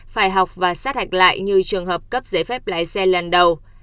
phải học và sát hạch lại như trường hợp cấp giấy phép lái xe lần đầu